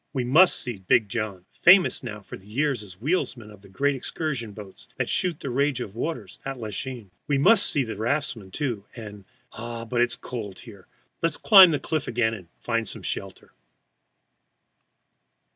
We must see "Big John," famous now for years as wheelsman of the great excursion boats that shoot the rage of waters at Lachine. We must see the raftsmen, too, and ah, but it is cold here! let us climb the cliff again and find some shelter.